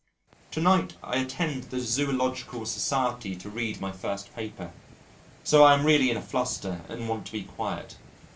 To night I attend the Zoological Society to read my first paper, so I am really in a fluster and want to be quiet.